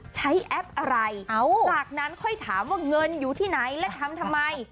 แอปอะไรจากนั้นค่อยถามว่าเงินอยู่ที่ไหนและทำทำไม